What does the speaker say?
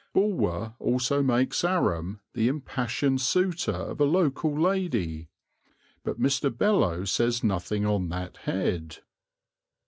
Bulwer also makes Aram the impassioned suitor of a local lady; but Mr. Beloe says nothing on that head.